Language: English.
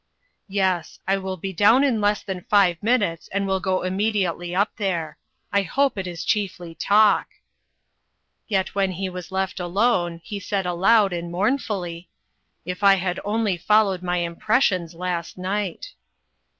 "" Yes ; I will be down in less than five minutes, and will go immediately up there. I hope it is chiefly talk." Yet when he was left alone, he said aloud and mournfully :" If I had only followed my impressions last night